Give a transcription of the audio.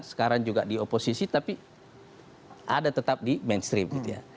sekarang juga di oposisi tapi ada tetap di mainstream